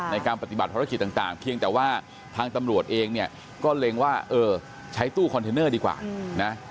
ในการปฏิบัติภารกิจต่างเพียงแต่ว่าทางตำรวจเองเนี่ยก็เล็งว่าเออใช้ตู้คอนเทนเนอร์ดีกว่านะ